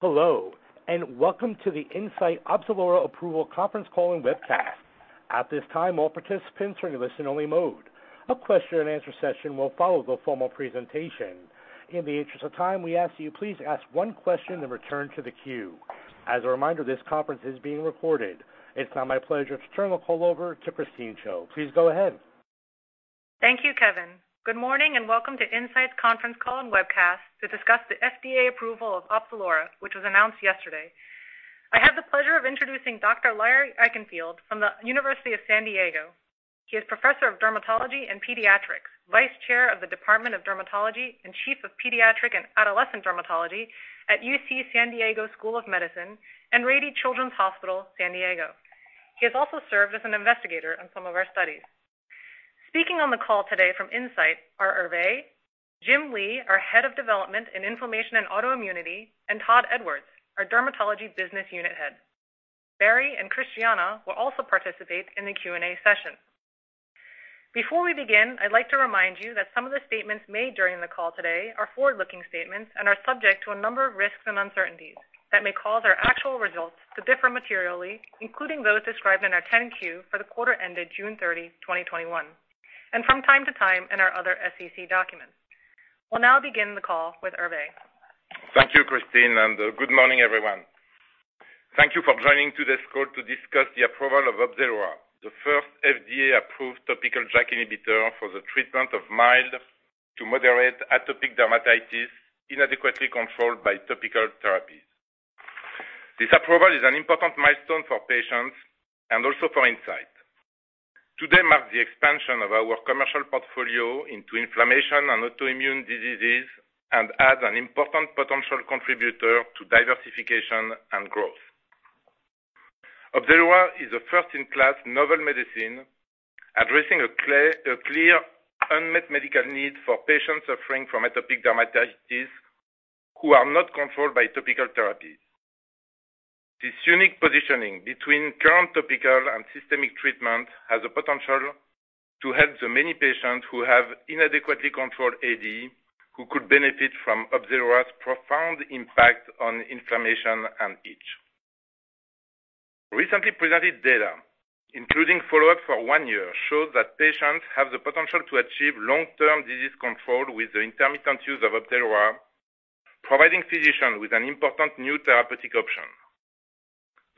Hello, welcome to the Incyte Opzelura approval conference call and webcast. At this time, all participants are in listen only mode. A question and answer session will follow the formal presentation. In the interest of time, we ask that you please ask one question, then return to the queue. As a reminder, this conference is being recorded. It's now my pleasure to turn the call over to Christine Chiou. Please go ahead. Thank you, Kevin. Good morning and welcome to Incyte's conference call and webcast to discuss the FDA approval of Opzelura, which was announced yesterday. I have the pleasure of introducing Dr. Larry Eichenfield from the University of California, San Diego. He is Professor of Dermatology and Pediatrics, Vice Chair of the Department of Dermatology, and Chief of Pediatric and Adolescent Dermatology at UC San Diego School of Medicine and Rady Children's Hospital-San Diego. He has also served as an investigator on some of our studies. Speaking on the call today from Incyte are Hervé, Jim Lee, our Head of Development in Inflammation and Autoimmunity, and Todd Edwards, our Dermatology Business Unit Head. Larry and Christiana will also participate in the Q&A session. Before we begin, I'd like to remind you that some of the statements made during the call today are forward-looking statements and are subject to a number of risks and uncertainties that may cause our actual results to differ materially, including those described in our 10-Q for the quarter ended June 30, 2021, and from time to time in our other SEC documents. We'll now begin the call with Hervé. Thank you, Christiana, good morning, everyone. Thank you for joining today's call to discuss the approval of Opzelura, the first FDA-approved topical JAK inhibitor for the treatment of mild to moderate atopic dermatitis inadequately controlled by topical therapies. This approval is an important milestone for patients and also for Incyte. Today marks the expansion of our commercial portfolio into inflammation and autoimmune diseases and adds an important potential contributor to diversification and growth. Opzelura is a first-in-class novel medicine addressing a clear unmet medical need for patients suffering from atopic dermatitis who are not controlled by topical therapies. This unique positioning between current topical and systemic treatment has the potential to help the many patients who have inadequately controlled AD who could benefit from Opzelura's profound impact on inflammation and itch. Recently presented data, including follow-ups for one year, showed that patients have the potential to achieve long-term disease control with the intermittent use of Opzelura, providing physicians with an important new therapeutic option.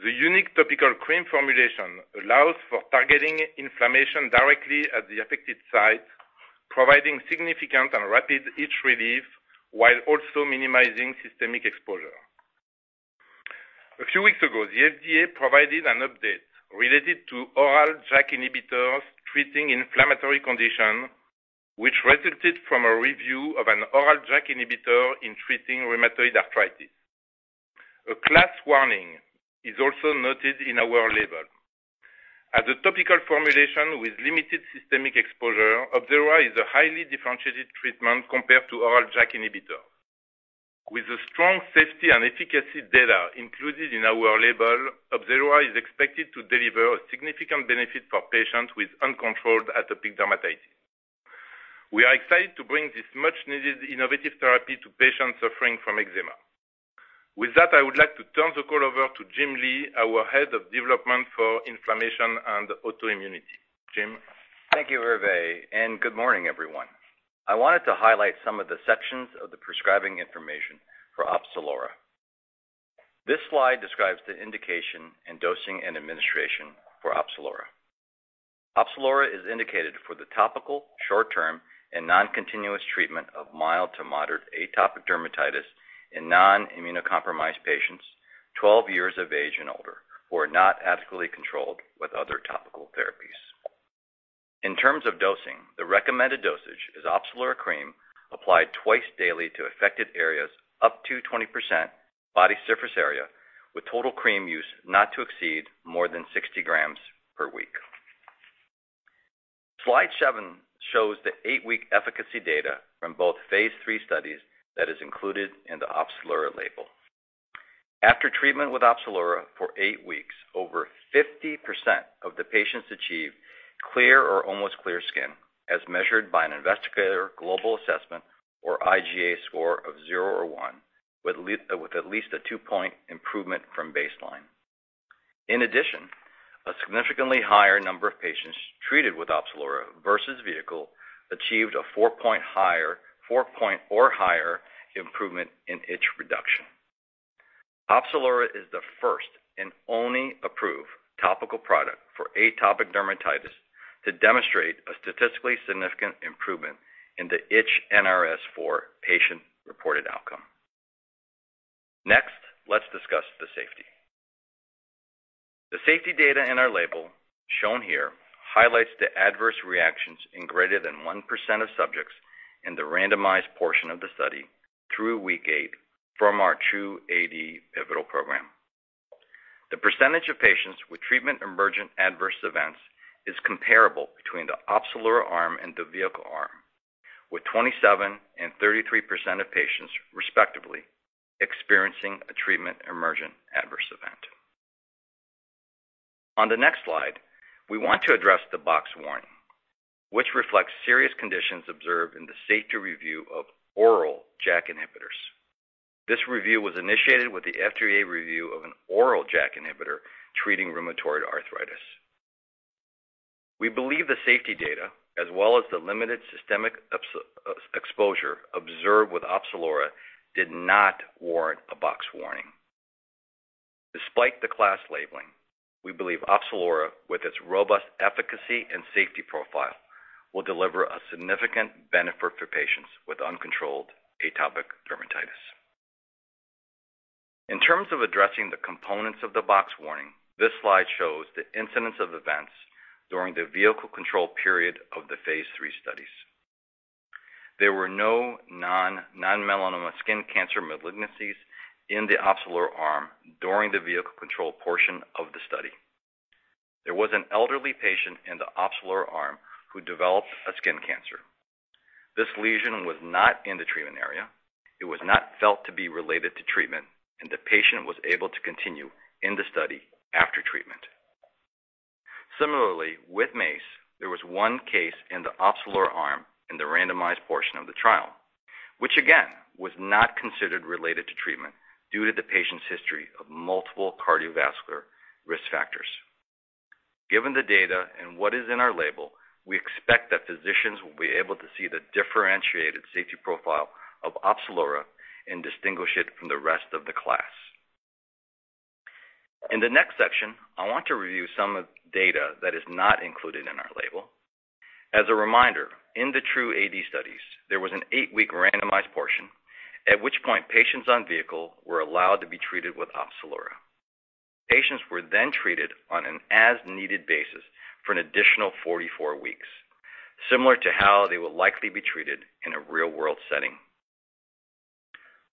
The unique topical cream formulation allows for targeting inflammation directly at the affected site, providing significant and rapid itch relief while also minimizing systemic exposure. A few weeks ago, the FDA provided an update related to oral JAK inhibitors treating inflammatory condition, which resulted from a review of an oral JAK inhibitor in treating rheumatoid arthritis. A class warning is also noted in our label. As a topical formulation with limited systemic exposure, Opzelura is a highly differentiated treatment compared to oral JAK inhibitors. With the strong safety and efficacy data included in our label, Opzelura is expected to deliver a significant benefit for patients with uncontrolled atopic dermatitis. We are excited to bring this much-needed innovative therapy to patients suffering from eczema. With that, I would like to turn the call over to Jim Lee, our Head of Development for Inflammation and Autoimmunity. Jim? Thank you, Hervé. Good morning, everyone. I wanted to highlight some of the sections of the prescribing information for Opzelura. This slide describes the indication in dosing and administration for Opzelura. Opzelura is indicated for the topical, short-term, and non-continuous treatment of mild to moderate atopic dermatitis in non-immunocompromised patients 12 years of age and older who are not adequately controlled with other topical therapies. In terms of dosing, the recommended dosage is Opzelura cream applied twice daily to affected areas up to 20% body surface area, with total cream use not to exceed more than 60 grams per week. Slide seven shows the eight-week efficacy data from both Phase III studies that is included in the Opzelura label. After treatment with Opzelura for eight weeks, over 50% of the patients achieved clear or almost clear skin, as measured by an investigator global assessment or IGA score of zero or one, with at least a two-point improvement from baseline. In addition, a significantly higher number of patients treated with Opzelura versus vehicle achieved a four-point or higher improvement in itch reduction. Opzelura is the first and only approved topical product for atopic dermatitis to demonstrate a statistically significant improvement in the ITCH NRS4 patient-reported outcome. Next, let's discuss the safety. The safety data in our label, shown here, highlights the adverse reactions in greater than 1% of subjects in the randomized portion of the study through week eight from our TRuE-AD pivotal program. The percentage of patients with treatment-emergent adverse events is comparable between the Opzelura arm and the vehicle arm, with 27% and 33% of patients respectively experiencing a treatment. On the next slide, we want to address the box warning, which reflects serious conditions observed in the safety review of oral JAK inhibitors. This review was initiated with the FDA review of an oral JAK inhibitor treating rheumatoid arthritis. We believe the safety data, as well as the limited systemic exposure observed with Opzelura, did not warrant a box warning. Despite the class labeling, we believe Opzelura, with its robust efficacy and safety profile, will deliver a significant benefit for patients with uncontrolled atopic dermatitis. In terms of addressing the components of the box warning, this slide shows the incidence of events during the vehicle control period of the Phase III studies. There were no non-melanoma skin cancer malignancies in the Opzelura arm during the vehicle control portion of the study. There was an elderly patient in the Opzelura arm who developed a skin cancer. This lesion was not in the treatment area. It was not felt to be related to treatment, and the patient was able to continue in the study after treatment. Similarly, with MACE, there was one case in the Opzelura arm in the randomized portion of the trial, which again, was not considered related to treatment due to the patient's history of multiple cardiovascular risk factors. Given the data and what is in our label, we expect that physicians will be able to see the differentiated safety profile of Opzelura and distinguish it from the rest of the class. In the next section, I want to review some of the data that is not included in our label. As a reminder, in the TRuE-AD studies, there was an eight-week randomized portion, at which point patients on vehicle were allowed to be treated with Opzelura. Patients were then treated on an as-needed basis for an additional 44 weeks, similar to how they will likely be treated in a real-world setting.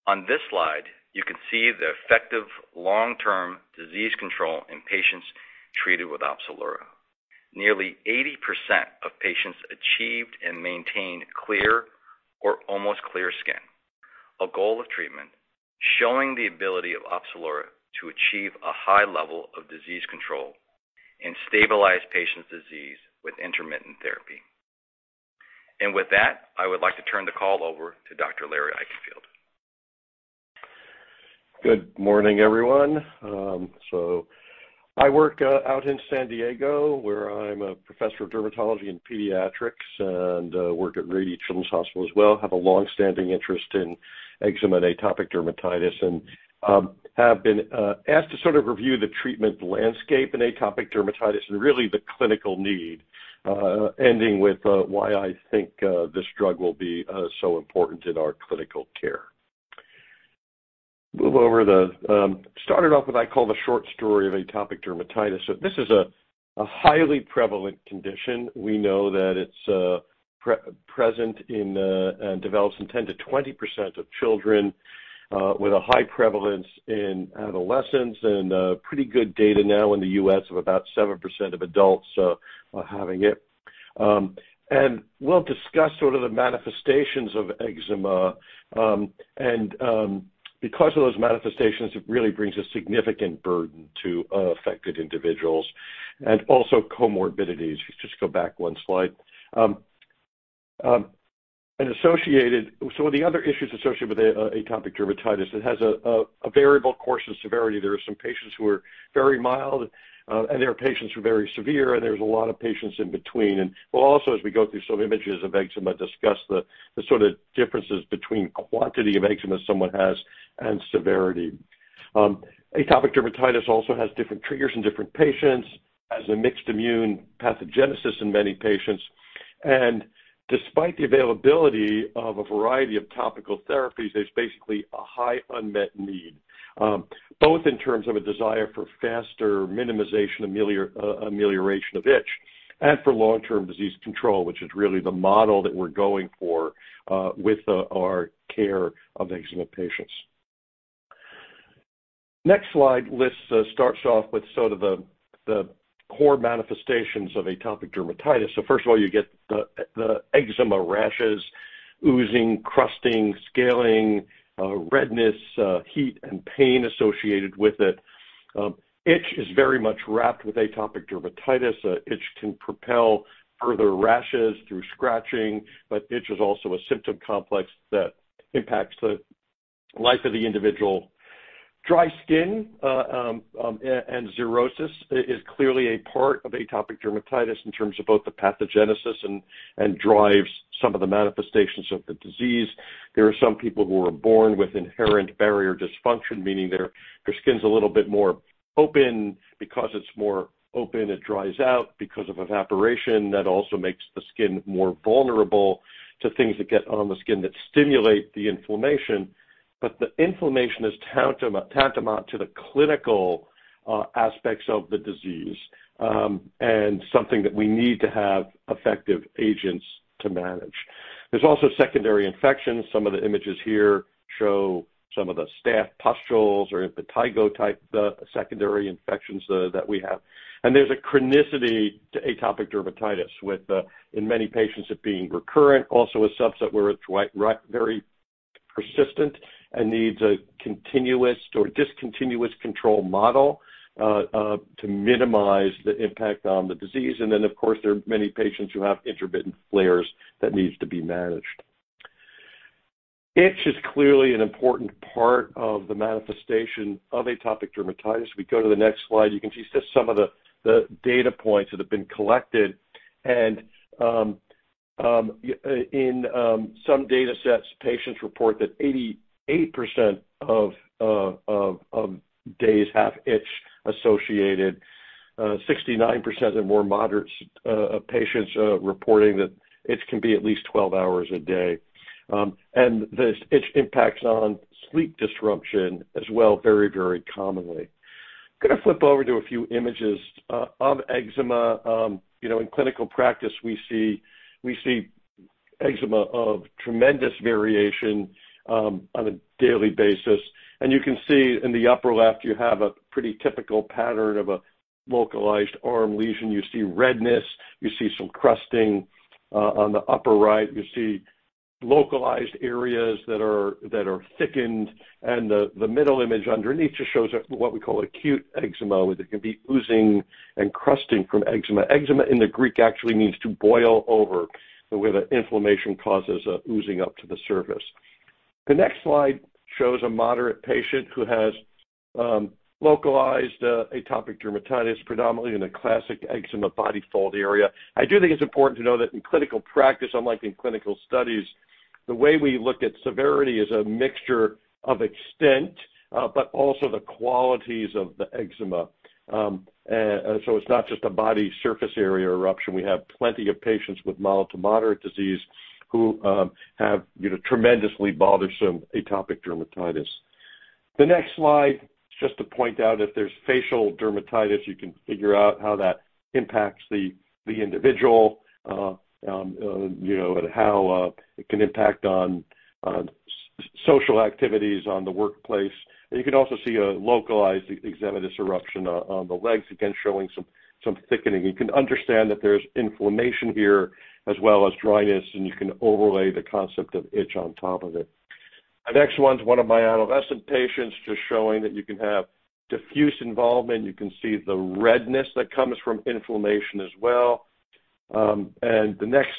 On this slide, you can see the effective long-term disease control in patients treated with Opzelura. Nearly 80% of patients achieved and maintained clear or almost clear skin, a goal of treatment showing the ability of Opzelura to achieve a high level of disease control and stabilize patients' disease with intermittent therapy. With that, I would like to turn the call over to Dr. Lawrence Eichenfield. Good morning, everyone. I work out in San Diego, where I'm a professor of dermatology and pediatrics and work at Rady Children's Hospital as well. I have a long-standing interest in eczema and atopic dermatitis and have been asked to sort of review the treatment landscape in atopic dermatitis and really the clinical need, ending with why I think this drug will be so important in our clinical care. Start it off with what I call the short story of atopic dermatitis. This is a highly prevalent condition. We know that it's present in and develops in 10%-20% of children with a high prevalence in adolescents, and pretty good data now in the U.S. of about 7% of adults having it. We'll discuss sort of the manifestations of eczema, and because of those manifestations, it really brings a significant burden to affected individuals and also comorbidities. Just go back one slide. The other issues associated with atopic dermatitis, it has a variable course of severity. There are some patients who are very mild, and there are patients who are very severe, and there's a lot of patients in between. We'll also, as we go through some images of eczema, discuss the sort of differences between quantity of eczema someone has and severity. Atopic dermatitis also has different triggers in different patients, has a mixed immune pathogenesis in many patients. Despite the availability of a variety of topical therapies, there's basically a high unmet need, both in terms of a desire for faster minimization, amelioration of itch, and for long-term disease control, which is really the model that we're going for with our care of eczema patients. Next slide starts off with sort of the core manifestations of atopic dermatitis. First of all, you get the eczema rashes, oozing, crusting, scaling, redness, heat, and pain associated with it. Itch is very much wrapped with atopic dermatitis. Itch can propel further rashes through scratching, but itch is also a symptom complex that impacts the life of the individual. Dry skin and xerosis is clearly a part of atopic dermatitis in terms of both the pathogenesis and drives some of the manifestations of the disease. There are some people who are born with inherent barrier dysfunction, meaning their skin's a little bit more open. It's more open, it dries out because of evaporation. That also makes the skin more vulnerable to things that get on the skin that stimulate the inflammation. The inflammation is tantamount to the clinical aspects of the disease and something that we need to have effective agents to manage. There's also secondary infections. Some of the images here show some of the staph pustules or impetigo-type secondary infections that we have. There's a chronicity to atopic dermatitis with, in many patients, it being recurrent, also a subset where it's very persistent and needs a continuous or discontinuous control model to minimize the impact on the disease. Of course, there are many patients who have intermittent flares that needs to be managed. Itch is clearly an important part of the manifestation of atopic dermatitis. We go to the next slide, you can see just some of the data points that have been collected. In some data sets, patients report that 88% of days have itch associated, 69% of more moderate patients reporting that itch can be at least 12 hours a day. This itch impacts on sleep disruption as well, very commonly. Going to flip over to a few images of eczema. In clinical practice, we see eczema of tremendous variation on a daily basis. You can see in the upper left, you have a pretty typical pattern of a localized arm lesion. You see redness, you see some crusting. On the upper right, you see localized areas that are thickened. The middle image underneath just shows what we call acute eczema, where there can be oozing and crusting from eczema. Eczema in the Greek actually means to boil over, where the inflammation causes oozing up to the surface. The next slide shows a moderate patient who has localized atopic dermatitis, predominantly in a classic eczema body fold area. I do think it's important to know that in clinical practice, unlike in clinical studies, the way we look at severity is a mixture of extent, but also the qualities of the eczema. It's not just a body surface area eruption. We have plenty of patients with mild to moderate disease who have tremendously bothersome atopic dermatitis. The next slide is just to point out if there's facial dermatitis, you can figure out how that impacts the individual, and how it can impact on social activities, on the workplace. You can also see a localized eczematous eruption on the legs, again, showing some thickening. You can understand that there is inflammation here as well as dryness, and you can overlay the concept of itch on top of it. The next one’s one of my adolescent patients, just showing that you can have diffuse involvement. You can see the redness that comes from inflammation as well. The next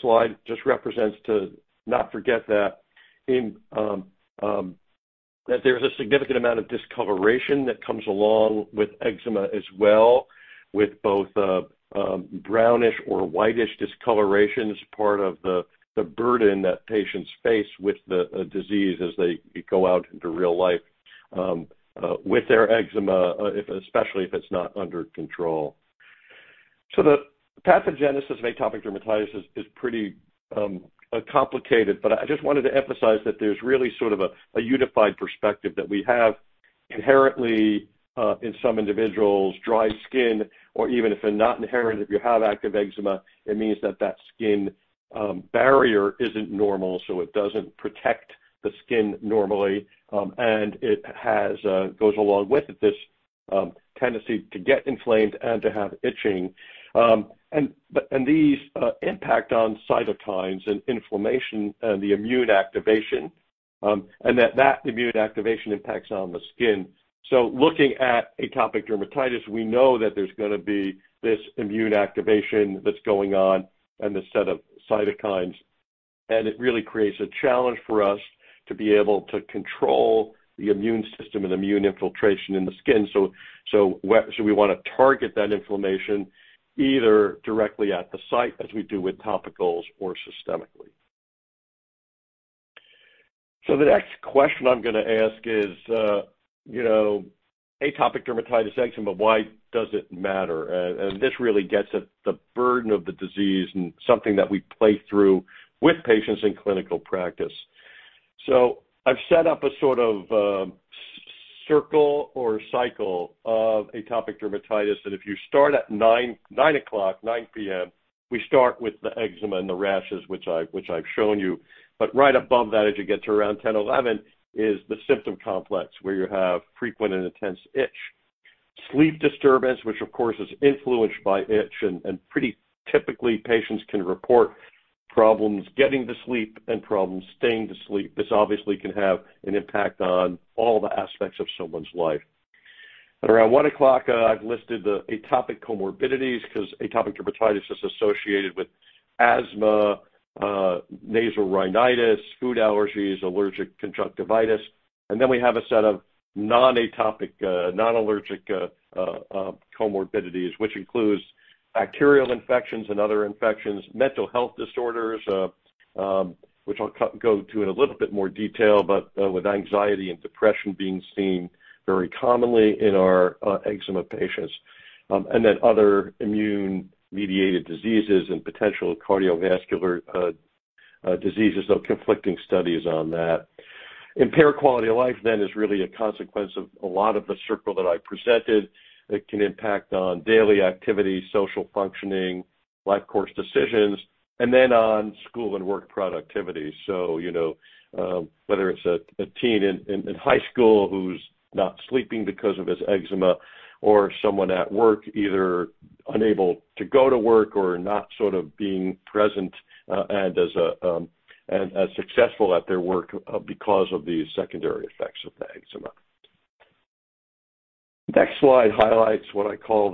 slide just represents to not forget that there is a significant amount of discoloration that comes along with eczema as well, with both brownish or whitish discoloration as part of the burden that patients face with the disease as they go out into real life with their eczema, especially if it’s not under control. The pathogenesis of atopic dermatitis is pretty complicated, but I just wanted to emphasize that there's really sort of a unified perspective that we have inherently, in some individuals, dry skin, or even if they're not inherent, if you have active eczema, it means that that skin barrier isn't normal, so it doesn't protect the skin normally. It goes along with this tendency to get inflamed and to have itching. These impact on cytokines and inflammation and the immune activation, and that that immune activation impacts on the skin. Looking at atopic dermatitis, we know that there's going to be this immune activation that's going on and this set of cytokines, and it really creates a challenge for us to be able to control the immune system and immune infiltration in the skin. We want to target that inflammation either directly at the site, as we do with topicals, or systemically. The next question I'm going to ask is, atopic dermatitis, eczema, why does it matter? This really gets at the burden of the disease and something that we play through with patients in clinical practice. I've set up a sort of circle or cycle of atopic dermatitis that if you start at 9:00 P.M., we start with the eczema and the rashes, which I've shown you. Right above that, as you get to around 10:00, 11:00, is the symptom complex, where you have frequent and intense itch. Sleep disturbance, which of course, is influenced by itch, and pretty typically, patients can report problems getting to sleep and problems staying to sleep. This obviously can have an impact on all the aspects of someone's life. At around 1:00, I've listed the atopic comorbidities because atopic dermatitis is associated with asthma, nasal rhinitis, food allergies, allergic conjunctivitis. We have a set of non-atopic, non-allergic comorbidities, which includes bacterial infections and other infections, mental health disorders, which I'll go to in a little bit more detail, but with anxiety and depression being seen very commonly in our eczema patients. Other immune-mediated diseases and potential cardiovascular diseases, though conflicting studies on that. Impaired quality of life then is really a consequence of a lot of the circle that I presented. It can impact on daily activity, social functioning, life course decisions, and then on school and work productivity. Whether it's a teen in high school who's not sleeping because of his eczema or someone at work either unable to go to work or not sort of being present and as successful at their work because of these secondary effects of the eczema. The next slide highlights what I call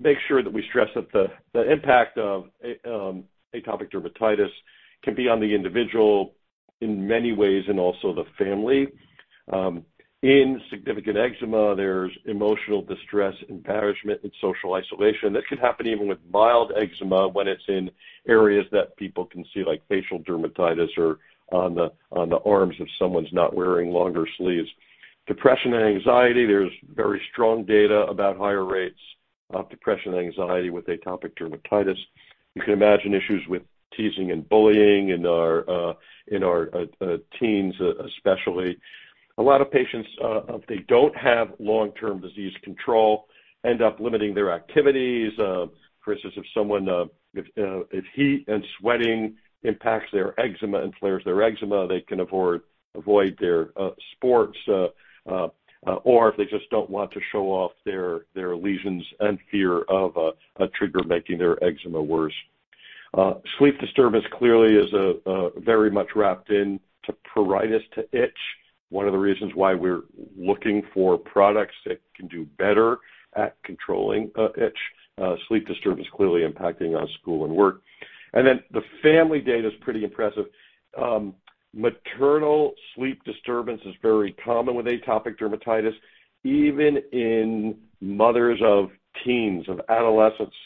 make sure that we stress that the impact of atopic dermatitis can be on the individual in many ways, and also the family. In significant eczema, there's emotional distress, embarrassment, and social isolation. That could happen even with mild eczema when it's in areas that people can see, like facial dermatitis or on the arms if someone's not wearing longer sleeves. Depression and anxiety, there's very strong data about higher rates of depression and anxiety with atopic dermatitis. You can imagine issues with teasing and bullying in our teens, especially. A lot of patients, if they don't have long-term disease control, end up limiting their activities. For instance, if heat and sweating impacts their eczema and flares their eczema, they can avoid their sports or if they just don't want to show off their lesions in fear of a trigger making their eczema worse. Sleep disturbance clearly is very much wrapped in pruritus to itch. One of the reasons why we're looking for products that can do better at controlling itch. Sleep disturbance clearly impacting on school and work. Then the family data is pretty impressive. Maternal sleep disturbance is very common with atopic dermatitis, even in mothers of teens, of adolescents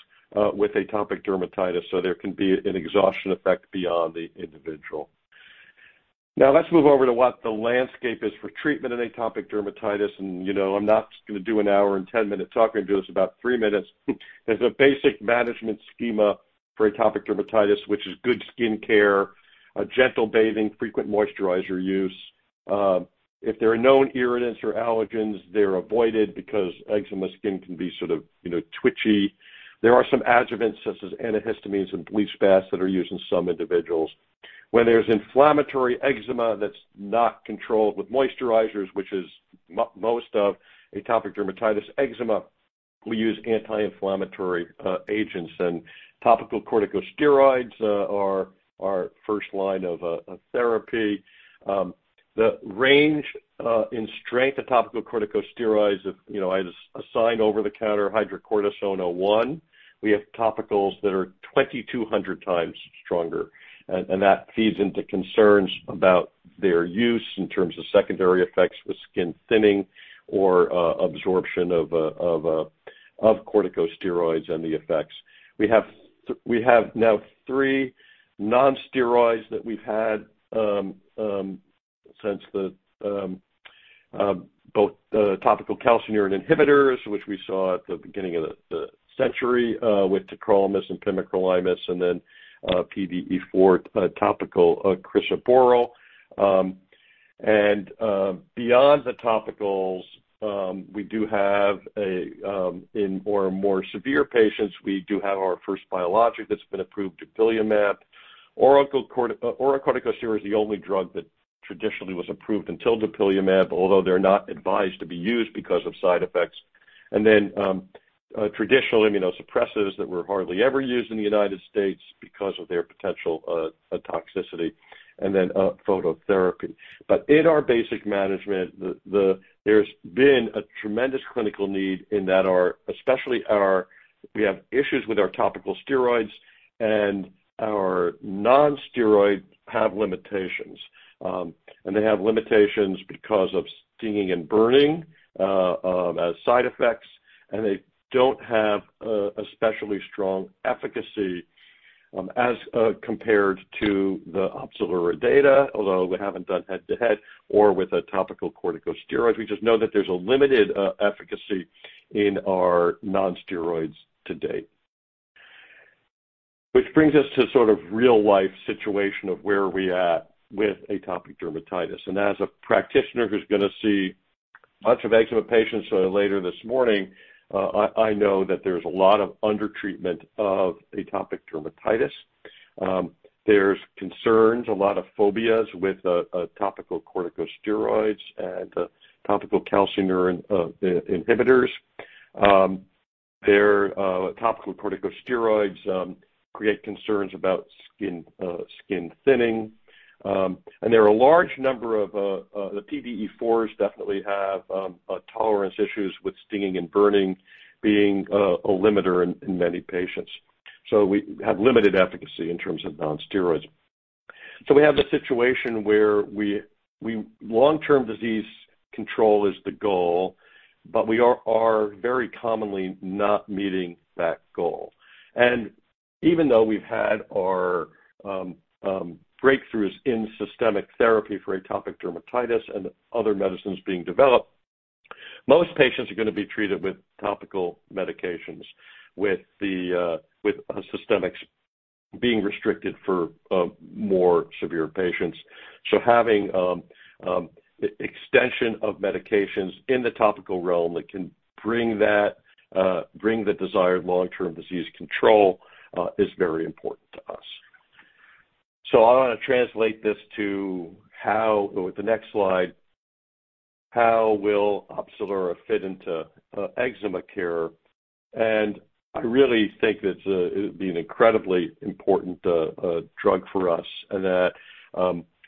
with atopic dermatitis. There can be an exhaustion effect beyond the individual. Let's move over to what the landscape is for treatment in atopic dermatitis. I'm not going to do an hour and 10-minute talk. I'm going to do this in about three minutes. There's a basic management schema for atopic dermatitis, which is good skin care, gentle bathing, frequent moisturizer use. If there are known irritants or allergens, they're avoided because eczema skin can be sort of twitchy. There are some adjuvants, such as antihistamines and bleach baths, that are used in some individuals. When there's inflammatory eczema that's not controlled with moisturizers, which is most of atopic dermatitis eczema, we use anti-inflammatory agents. Topical corticosteroids are our first line of therapy. The range in strength of topical corticosteroids, as assigned over-the-counter hydrocortisone 0.1, we have topicals that are 2,200 times stronger, and that feeds into concerns about their use in terms of secondary effects with skin thinning or absorption of corticosteroids and the effects. We have now three non-steroids that we've had, both topical calcineurin inhibitors, which we saw at the beginning of the century with pimecrolimus and tacrolimus, and then PDE4 topical crisaborole. Beyond the topicals, in more and more severe patients, we do have our first biologic that's been approved, dupilumab. Oral corticosteroid is the only drug that traditionally was approved until dupilumab, although they're not advised to be used because of side effects. Traditional immunosuppressives that were hardly ever used in the U.S. because of their potential toxicity, and then phototherapy. In our basic management, there's been a tremendous clinical need in that we have issues with our topical steroids, and our non-steroids have limitations. They have limitations because of stinging and burning as side effects, and they don't have especially strong efficacy as compared to the Opzelura data, although we haven't done head-to-head or with a topical corticosteroid. We just know that there's a limited efficacy in our non-steroids to date. Which brings us to sort of real-life situation of where are we at with atopic dermatitis. As a practitioner who's going to see lots of eczema patients later this morning, I know that there's a lot of under-treatment of atopic dermatitis. There's concerns, a lot of phobias with topical corticosteroids and topical calcineurin inhibitors. Topical corticosteroids create concerns about skin thinning. The PDE4s definitely have tolerance issues with stinging and burning being a limiter in many patients. We have limited efficacy in terms of non-steroids. We have the situation where long-term disease control is the goal, but we are very commonly not meeting that goal. Even though we've had our breakthroughs in systemic therapy for atopic dermatitis and other medicines being developed, most patients are going to be treated with topical medications, with systemics being restricted for more severe patients. Having extension of medications in the topical realm that can bring the desired long-term disease control is very important to us. I want to translate this. With the next slide, how will Opzelura fit into eczema care? I really think it'll be an incredibly important drug for us, and that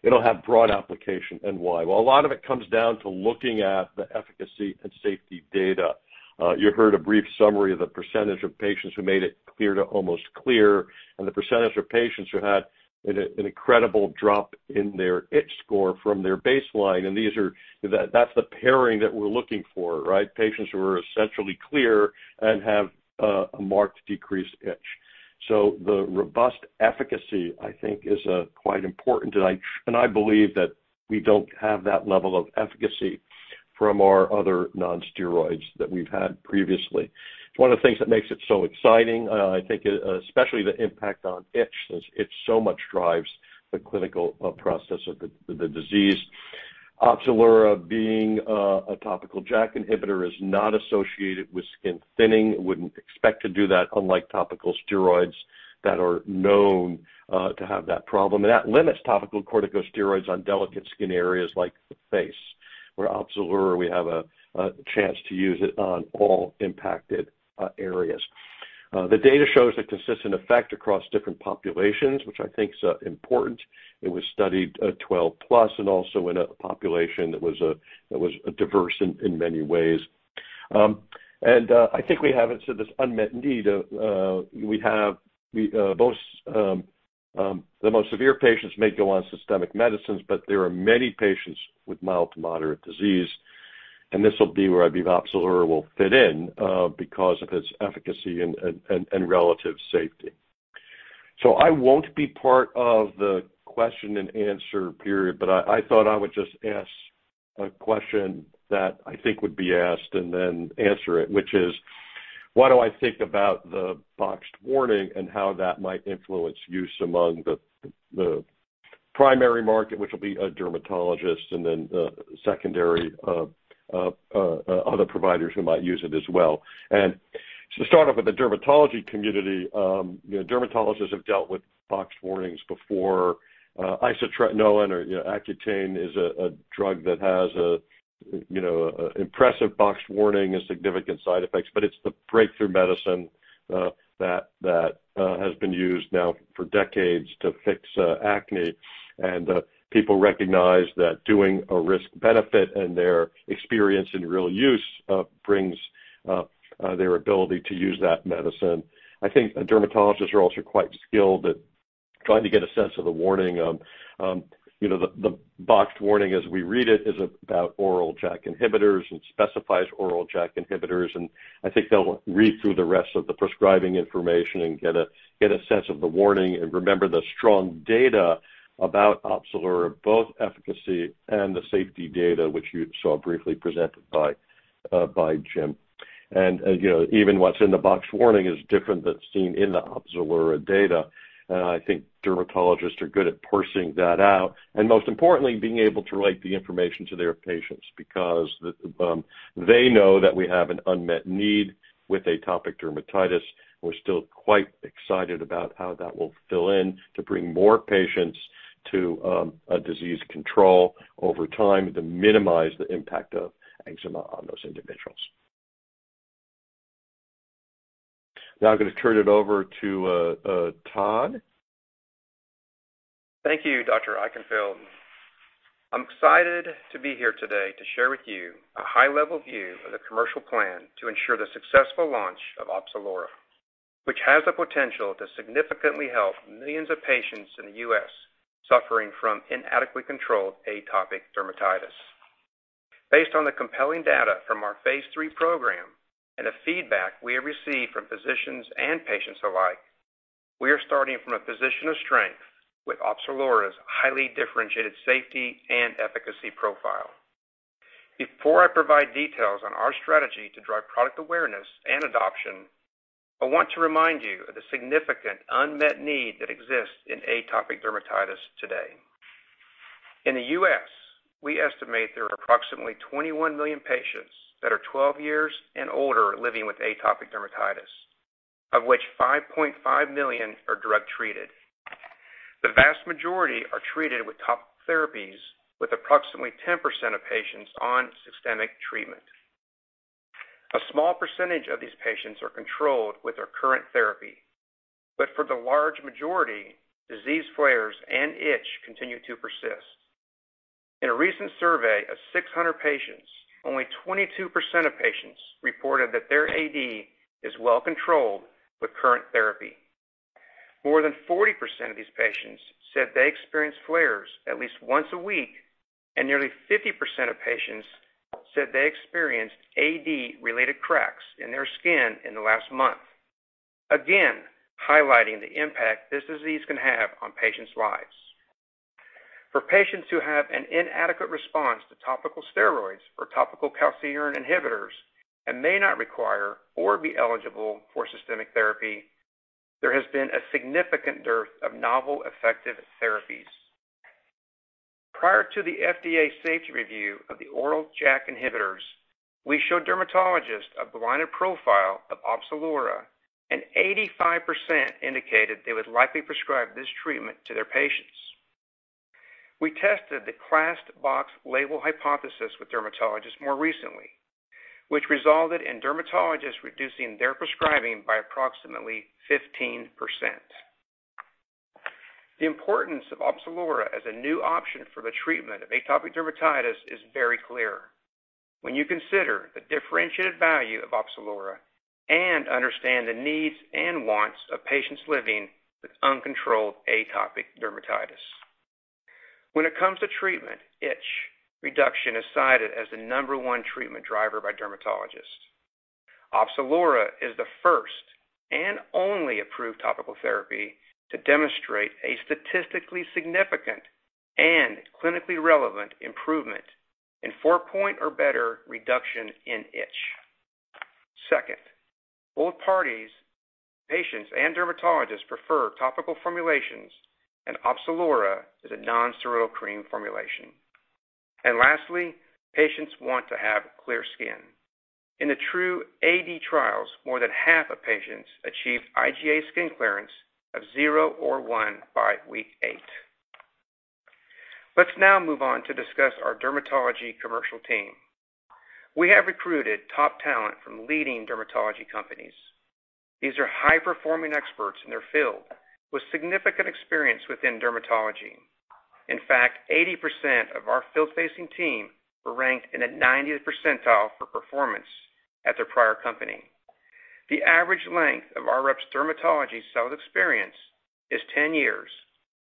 it'll have broad application. Why? Well, a lot of it comes down to looking at the efficacy and safety data. You heard a brief summary of the percentage of patients who made it clear to almost clear, and the percentage of patients who had an incredible drop in their itch score from their baseline. That's the pairing that we're looking for, right? Patients who are essentially clear and have a marked decreased itch. The robust efficacy, I think, is quite important. I believe that we don't have that level of efficacy from our other non-steroids that we've had previously. It's one of the things that makes it so exciting. I think especially the impact on itch, since itch so much drives the clinical process of the disease. Opzelura being a topical JAK inhibitor is not associated with skin thinning. Wouldn't expect to do that, unlike topical steroids that are known to have that problem. That limits topical corticosteroids on delicate skin areas like the face, where Opzelura, we have a chance to use it on all impacted areas. The data shows a consistent effect across different populations, which I think is important. It was studied 12+ and also in a population that was diverse in many ways. I think we have this unmet need. The most severe patients may go on systemic medicines, but there are many patients with mild to moderate disease, and this will be where I believe Opzelura will fit in because of its efficacy and relative safety. I won't be part of the question and answer period, but I thought I would just ask a question that I think would be asked and then answer it, which is, what do I think about the boxed warning and how that might influence use among the primary market, which will be dermatologists, and then the secondary, other providers who might use it as well. To start off with the dermatology community, dermatologists have dealt with boxed warnings before. isotretinoin or Accutane is a drug that has an impressive boxed warning and significant side effects. It's the breakthrough medicine that has been used now for decades to fix acne. People recognize that doing a risk-benefit in their experience in real use brings their ability to use that medicine. I think dermatologists are also quite skilled at trying to get a sense of the warning. The boxed warning as we read it is about oral JAK inhibitors and specifies oral JAK inhibitors. I think they'll read through the rest of the prescribing information and get a sense of the warning and remember the strong data about Opzelura, both efficacy and the safety data which you saw briefly presented by Jim. Even what's in the box warning is different than seen in the Opzelura data. I think dermatologists are good at parsing that out and most importantly, being able to relate the information to their patients because they know that we have an unmet need with atopic dermatitis, and we're still quite excited about how that will fill in to bring more patients to disease control over time to minimize the impact of eczema on those individuals. Now I'm going to turn it over to Todd. Thank you, Dr. Eichenfield. I'm excited to be here today to share with you a high-level view of the commercial plan to ensure the successful launch of Opzelura, which has the potential to significantly help millions of patients in the U.S. suffering from inadequately controlled atopic dermatitis. Based on the compelling data from our phase III program and the feedback we have received from physicians and patients alike, we are starting from a position of strength with Opzelura's highly differentiated safety and efficacy profile. Before I provide details on our strategy to drive product awareness and adoption, I want to remind you of the significant unmet need that exists in atopic dermatitis today. In the U.S., we estimate there are approximately 21 million patients that are 12 years and older living with atopic dermatitis, of which 5.5 million are drug-treated. The vast majority are treated with topical therapies, with approximately 10% of patients on systemic treatment. A small percentage of these patients are controlled with their current therapy. For the large majority, disease flares and itch continue to persist. In a recent survey of 600 patients, only 22% of patients reported that their AD is well controlled with current therapy. More than 40% of these patients said they experience flares at least once a week, and nearly 50% of patients said they experienced AD-related cracks in their skin in the last month, again highlighting the impact this disease can have on patients' lives. For patients who have an inadequate response to topical steroids or topical calcineurin inhibitors and may not require or be eligible for systemic therapy, there has been a significant dearth of novel effective therapies. Prior to the FDA safety review of the oral JAK inhibitors, we showed dermatologists a blinded profile of Opzelura, and 85% indicated they would likely prescribe this treatment to their patients. We tested the class box label hypothesis with dermatologists more recently, which resulted in dermatologists reducing their prescribing by approximately 15%. The importance of Opzelura as a new option for the treatment of atopic dermatitis is very clear when you consider the differentiated value of Opzelura and understand the needs and wants of patients living with uncontrolled atopic dermatitis. When it comes to treatment, itch reduction is cited as the number one treatment driver by dermatologists. Opzelura is the first and only approved topical therapy to demonstrate a statistically significant and clinically relevant improvement in four-point or better reduction in itch. Second, both parties, patients, and dermatologists prefer topical formulations, and Opzelura is a non-steroidal cream formulation. Lastly, patients want to have clear skin. In the TRuE-AD trials, more than half of patients achieved IGA skin clearance of zero or one by week eight. Let's now move on to discuss our dermatology commercial team. We have recruited top talent from leading dermatology companies. These are high-performing experts in their field with significant experience within dermatology. In fact, 80% of our field-facing team were ranked in the 90th percentile for performance at their prior company. The average length of our reps' dermatology sales experience is 10 years,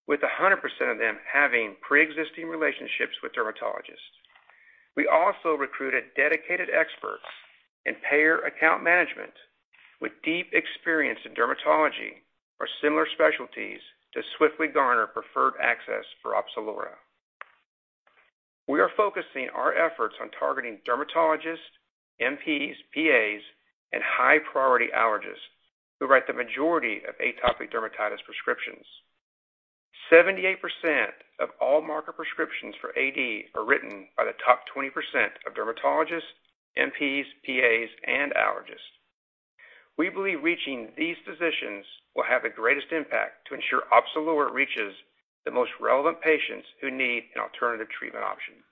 with 100% of them having pre-existing relationships with dermatologists. We also recruited dedicated experts in payer account management with deep experience in dermatology or similar specialties to swiftly garner preferred access for Opzelura. We are focusing our efforts on targeting dermatologists, NPs, PAs, and high-priority allergists who write the majority of atopic dermatitis prescriptions. 78% of all market prescriptions for AD are written by the top 20% of dermatologists, NPs, PAs, and allergists. We believe reaching these physicians will have the greatest impact to ensure Opzelura reaches the most relevant patients who need an alternative treatment option.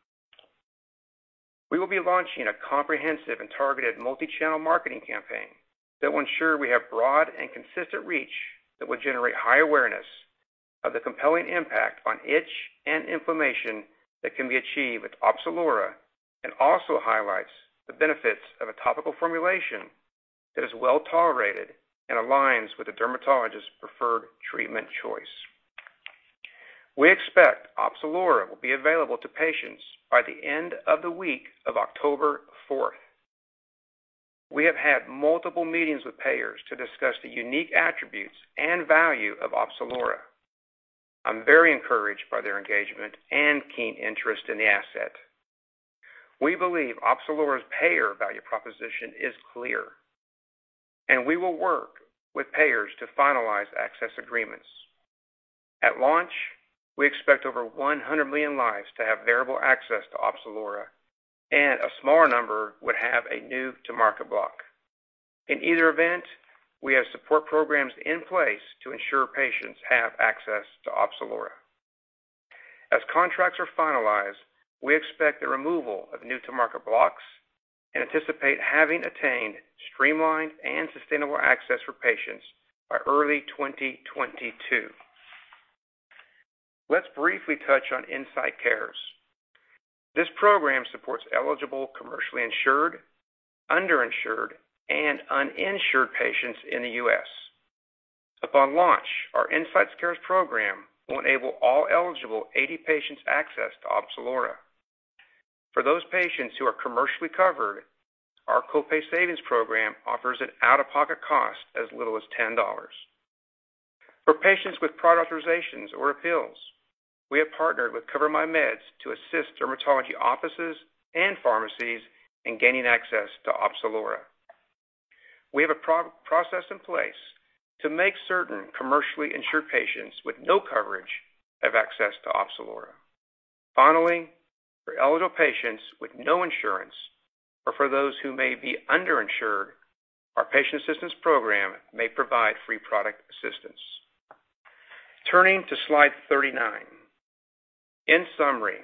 We will be launching a comprehensive and targeted multi-channel marketing campaign that will ensure we have broad and consistent reach that will generate high awareness of the compelling impact on itch and inflammation that can be achieved with Opzelura, and also highlights the benefits of a topical formulation that is well-tolerated and aligns with the dermatologist's preferred treatment choice. We expect Opzelura will be available to patients by the end of the week of October 4th. We have had multiple meetings with payers to discuss the unique attributes and value of Opzelura. I'm very encouraged by their engagement and keen interest in the asset. We believe Opzelura's payer value proposition is clear, and we will work with payers to finalize access agreements. At launch, we expect over 100 million lives to have variable access to Opzelura, and a smaller number would have a new-to-market block. In either event, we have support programs in place to ensure patients have access to Opzelura. As contracts are finalized, we expect the removal of new-to-market blocks and anticipate having attained streamlined and sustainable access for patients by early 2022. Let's briefly touch on IncyteCARES. This program supports eligible commercially insured, underinsured, and uninsured patients in the U.S. Upon launch, our IncyteCARES program will enable all eligible AD patients access to Opzelura. For those patients who are commercially covered, our co-pay savings program offers an out-of-pocket cost as little as $10. For patients with prior authorizations or appeals, we have partnered with CoverMyMeds to assist dermatology offices and pharmacies in gaining access to Opzelura. We have a process in place to make certain commercially insured patients with no coverage have access to Opzelura. Finally, for eligible patients with no insurance or for those who may be underinsured, our patient assistance program may provide free product assistance. Turning to slide 39. In summary,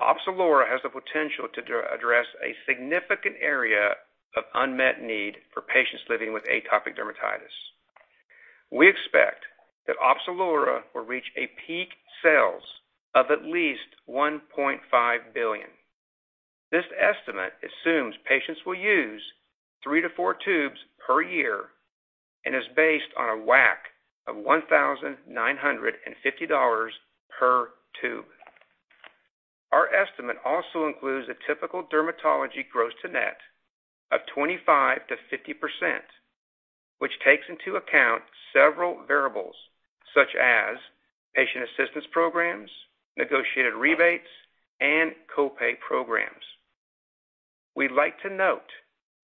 Opzelura has the potential to address a significant area of unmet need for patients living with atopic dermatitis. We expect that Opzelura will reach a peak sales of at least $1.5 billion. This estimate assumes patients will use three to four tubes per year and is based on a WAC of $1,950 per tube. Our estimate also includes a typical dermatology gross to net of 25%-50%, which takes into account several variables such as patient assistance programs, negotiated rebates, and co-pay programs. We'd like to note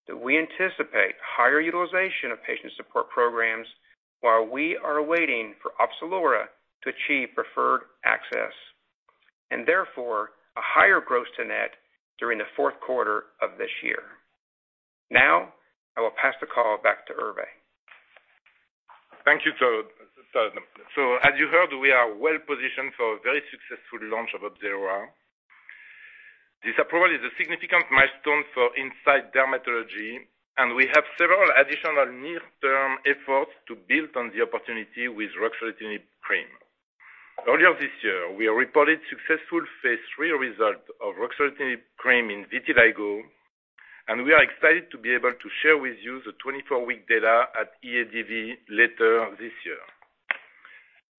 that we anticipate higher utilization of patient support programs while we are waiting for Opzelura to achieve preferred access, and therefore, a higher gross to net during the fourth quarter of this year. Now, I will pass the call back to Hervé. Thank you, Todd. As you heard, we are well positioned for a very successful launch of Opzelura. This approval is a significant milestone for Incyte dermatology, and we have several additional near-term efforts to build on the opportunity with ruxolitinib cream. Earlier this year, we reported successful phase III results of ruxolitinib cream in vitiligo, and we are excited to be able to share with you the 24-week data at EADV later this year.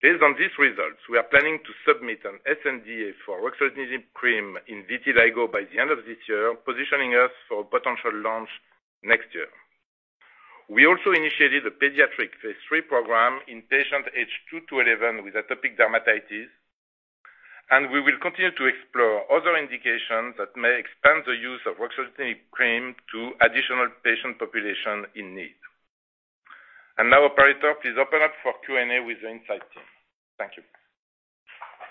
Based on these results, we are planning to submit an SNDA for ruxolitinib cream in vitiligo by the end of this year, positioning us for potential launch next year. We also initiated a pediatric phase III program in patients aged 2 to 11 with atopic dermatitis, and we will continue to explore other indications that may expand the use of ruxolitinib cream to additional patient populations in need. Now operator, please open up for Q&A with the Incyte team. Thank you.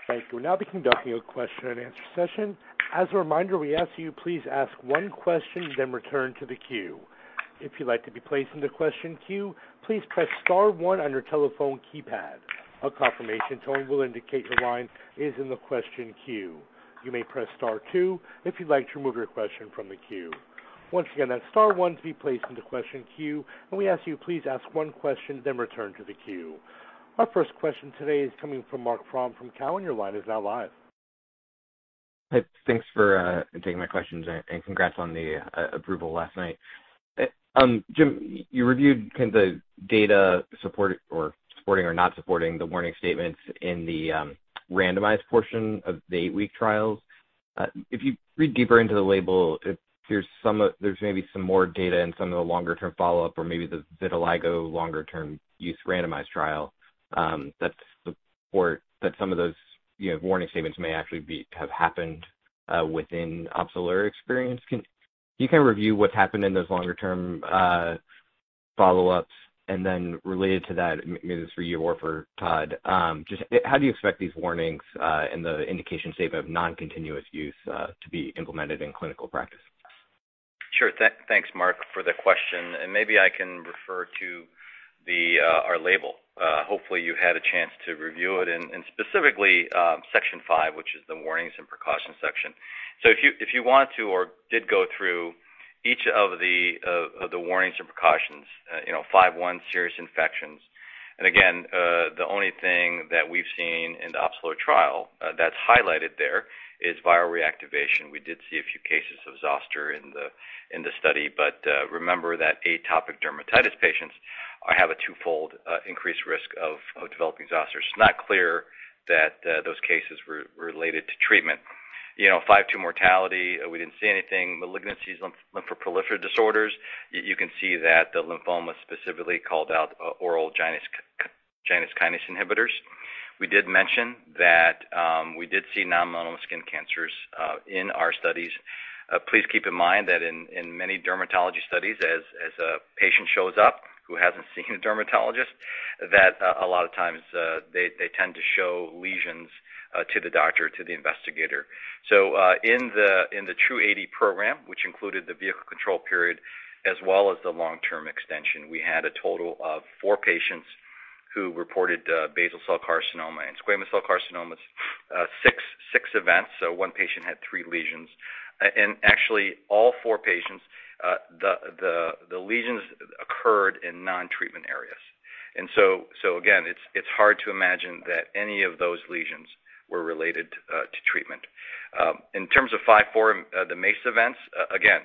Thank you. We'll now be conducting a question and answer session. As a reminder, we ask you please ask one question, then return to the queue. If you'd like to be placed in the question queue, please press star one on your telephone keypad. A confirmation tone will indicate your line is in the question queue. You may press star two if you'd like to remove your question from the queue. Once again, that's star one to be placed in the question queue, and we ask you please ask one question, then return to the queue. Our first question today is coming from Marc Frahm from Cowen. Your line is now live. Hey. Thanks for taking my questions and congrats on the approval last night. Jim, you reviewed the data supporting or not supporting the warning statements in the randomized portion of the eight-week trials. If you read deeper into the label, there's maybe some more data in some of the longer-term follow-up or maybe the vitiligo longer-term use randomized trial that support that some of those warning statements may actually have happened within Opzelura experience. Can you review what's happened in those longer-term follow-ups? Related to that, maybe this is for you or for Todd, just how do you expect these warnings in the indication statement of non-continuous use to be implemented in clinical practice? Sure. Thanks, Marc, for the question. Maybe I can refer to our label. Hopefully, you had a chance to review it and specifically section five, which is the warnings and precautions section. If you want to or did go through each of the warnings and precautions, 5.1, serious infections. Again, the only thing that we've seen in the Opzelura trial that's highlighted there is viral reactivation. We did see a few cases of zoster in the study, but remember that atopic dermatitis patients have a twofold increased risk of developing zoster. It's not clear that those cases were related to treatment. 5.2 mortality, we didn't see anything. Malignancies, lymphoproliferative disorders, you can see that the lymphoma specifically called out oral Janus kinase inhibitors. We did mention that we did see non-melanoma skin cancers in our studies. Please keep in mind that in many dermatology studies, as a patient shows up who hasn't seen a dermatologist, that a lot of times they tend to show lesions to the doctor, to the investigator. In the TRuE-AD program, which included the vehicle control period as well as the long-term extension, we had a total of four patients who reported basal cell carcinoma and squamous cell carcinoma. SIx events, one patient had three lesions. Actually all four patients, the lesions occurred in non-treatment areas. Again, it's hard to imagine that any of those lesions were related to treatment. In terms of 5.4, the MACE events, again,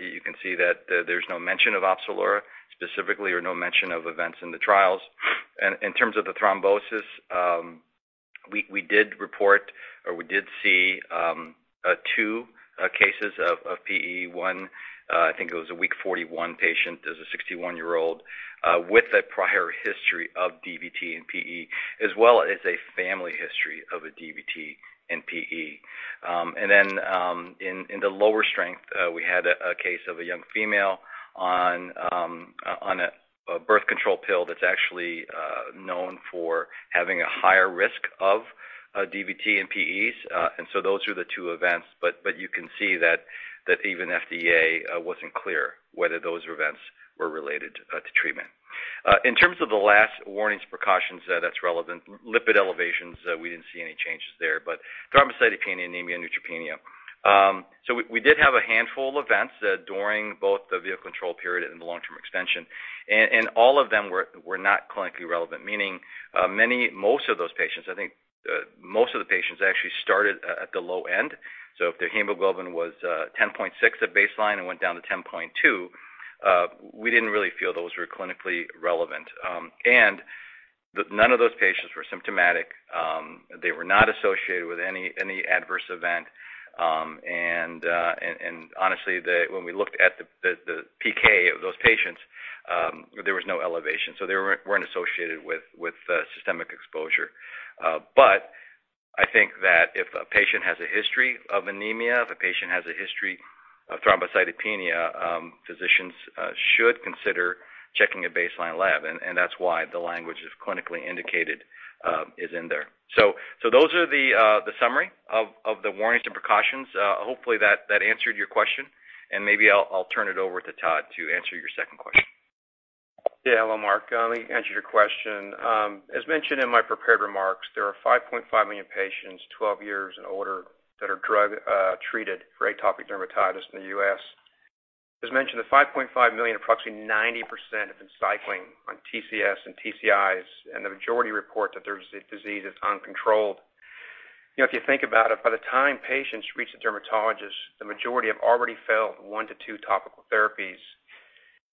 you can see that there's no mention of Opzelura specifically or no mention of events in the trials. In terms of the thrombosis, we did report or we did see two cases of PE1. I think it was a week 41 patient. It was a 61-year-old with a prior history of DVT and PE, as well as a family history of a DVT and PE. In the lower strength, we had a case of a young female on a birth control pill that's actually known for having a higher risk of DVT and PEs. Those are the two events, but you can see that even FDA wasn't clear whether those events were related to treatment. In terms of the last warnings precautions that's relevant, lipid elevations, we didn't see any changes there, but thrombocytopenia, anemia, neutropenia. We did have a handful of events during both the vehicle control period and the long-term extension, and all of them were not clinically relevant, meaning most of those patients, I think most of the patients actually started at the low end. If their hemoglobin was 10.6 at baseline and went down to 10.2, we didn't really feel those were clinically relevant. None of those patients were symptomatic. They were not associated with any adverse event. Honestly, when we looked at the PK of those patients, there was no elevation, so they weren't associated with systemic exposure. I think that if a patient has a history of anemia, if a patient has a history of thrombocytopenia, physicians should consider checking a baseline lab, and that's why the language of clinically indicated is in there. Those are the summary of the warnings and precautions. Hopefully that answered your question. Maybe I'll turn it over to Todd to answer your second question. Hello, Marc. Let me answer your question. As mentioned in my prepared remarks, there are 5.5 million patients 12 years and older that are drug-treated for atopic dermatitis in the U.S. As mentioned, the 5.5 million, approximately 90%, have been cycling on TCS and TCIs, and the majority report that their disease is uncontrolled. If you think about it, by the time patients reach the dermatologist, the majority have already failed one to two topical therapies.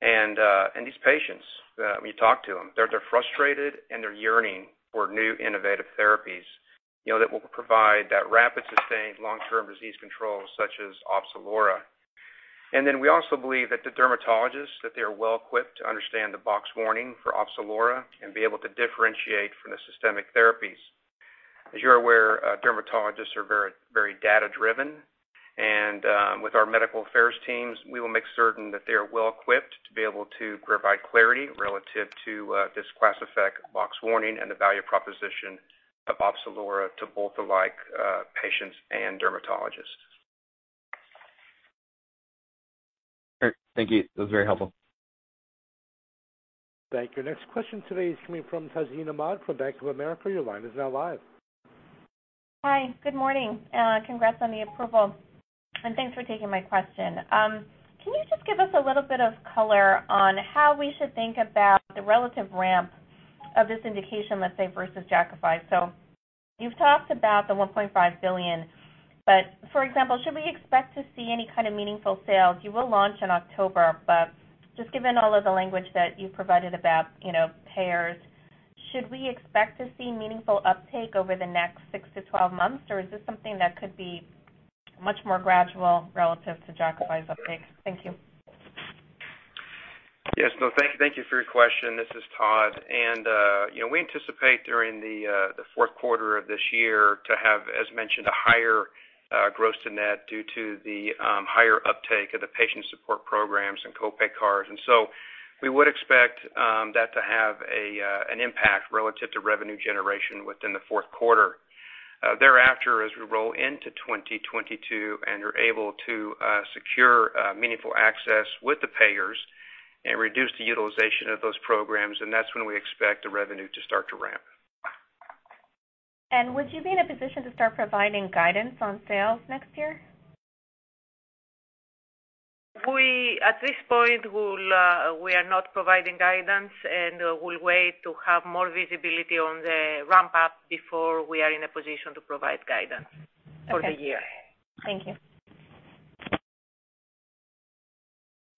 These patients, when you talk to them, they're frustrated, and they're yearning for new innovative therapies that will provide that rapid, sustained, long-term disease control, such as Opzelura. We also believe that the dermatologists, that they are well-equipped to understand the box warning for Opzelura and be able to differentiate from the systemic therapies. As you're aware, dermatologists are very data-driven, and with our medical affairs teams, we will make certain that they are well-equipped to be able to provide clarity relative to this class effect box warning and the value proposition of Opzelura to both alike patients and dermatologists. Great. Thank you. That was very helpful. Thank you. Next question today is coming from Tazeen Ahmad from Bank of America. Your line is now live. Hi. Good morning. Congrats on the approval, and thanks for taking my question. Can you just give us a little bit of color on how we should think about the relative ramp of this indication, let's say, versus Jakafi? You've talked about the $1.5 billion, but for example, should we expect to see any kind of meaningful sales? You will launch in October, but just given all of the language that you provided about payers, should we expect to see meaningful uptake over the next six to 12 months, or is this something that could be much more gradual relative to Jakafi's uptake? Thank you. Yes. No, thank you for your question. This is Todd. We anticipate during the fourth quarter of this year to have, as mentioned, a higher gross to net due to the higher uptake of the patient support programs and co-pay cards. We would expect that to have an impact relative to revenue generation within the fourth quarter. Thereafter, as we roll into 2022 and are able to secure meaningful access with the payers and reduce the utilization of those programs, that's when we expect the revenue to start to ramp. Would you be in a position to start providing guidance on sales next year? At this point, we are not providing guidance. We'll wait to have more visibility on the ramp-up before we are in a position to provide guidance for the year. Okay. Thank you.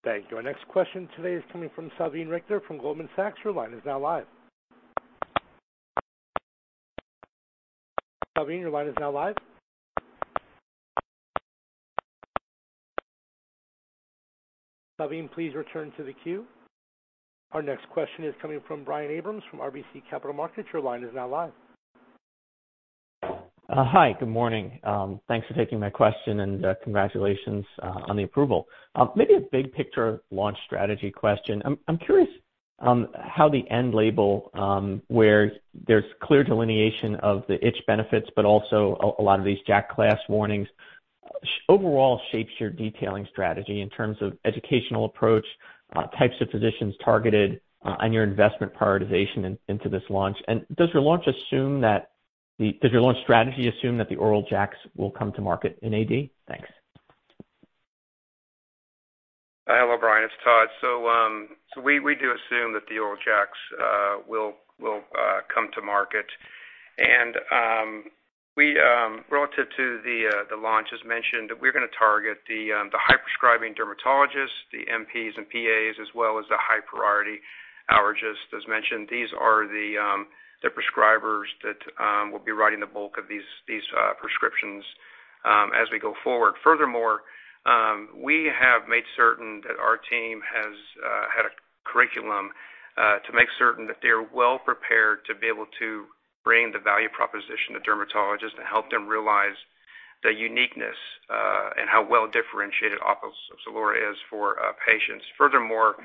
Thank you. Our next question today is coming from Salveen Richter from Goldman Sachs. Your line is now live. Salveen, your line is now live. Salveen, please return to the queue. Our next question is coming from Brian Abrahams from RBC Capital Markets. Your line is now live. Hi. Good morning. Thanks for taking my question, and congratulations on the approval. Maybe a big-picture launch strategy question. I'm curious how the end label, where there's clear delineation of the itch benefits, but also a lot of these JAK class warnings, overall shapes your detailing strategy in terms of educational approach, types of physicians targeted, and your investment prioritization into this launch. Does your launch strategy assume that the oral JAKs will come to market in AD? Thanks. Hello, Brian. It's Todd. We do assume that the oral JAKs will come to market. Relative to the launch, as mentioned, we're going to target the high-prescribing dermatologists, the NPs and PAs, as well as the high-priority allergists. As mentioned, these are the prescribers that will be writing the bulk of these prescriptions as we go forward. Furthermore, we have made certain that our team has had a curriculum to make certain that they're well-prepared to be able to bring the value proposition to dermatologists and help them realize the uniqueness and how well-differentiated Opzelura is for patients. Furthermore,